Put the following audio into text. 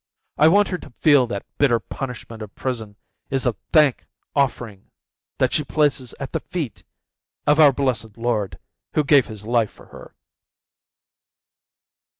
I want her to feel that the bitter punishment of prison is the thank offering that she places at the feet of our Blessed Lord, who gave his life for her."